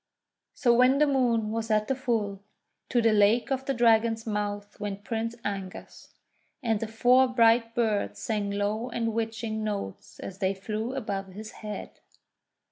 So when the Moon was at the full, to the Lake of the Dragon's Mouth went Prince Angus; and the four bright birds sang low and watching notes as they flew above his head.